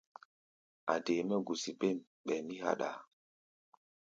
A̧ dee mɛ́ gusi bêm, ɓɛɛ mí háɗʼaa.